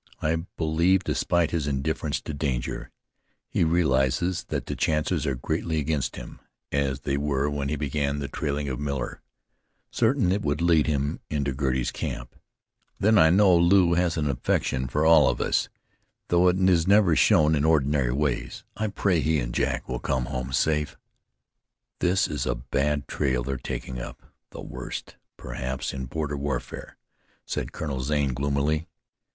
"I believe, despite his indifference to danger, he realizes that the chances are greatly against him, as they were when he began the trailing of Miller, certain it would lead him into Girty's camp. Then I know Lew has an affection for us, though it is never shown in ordinary ways. I pray he and Jack will come home safe." "This is a bad trail they're taking up; the worst, perhaps, in border warfare," said Colonel Zane gloomily.